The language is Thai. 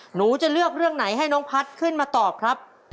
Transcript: หนูจะเลือกเรื่องไหนให้น้องพัฒน์ขึ้นมาตอบครับ